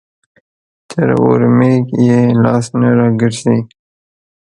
تر اورمېږ يې لاس نه راګرځي.